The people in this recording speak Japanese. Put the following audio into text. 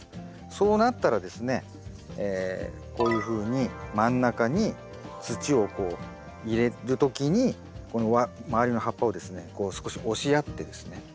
そうなったらですねこういうふうに真ん中に土をこう入れる時にこの周りの葉っぱをですねこう少し押しやってですね